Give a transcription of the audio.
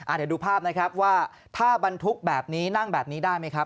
เดี๋ยวดูภาพนะครับว่าถ้าบรรทุกแบบนี้นั่งแบบนี้ได้ไหมครับ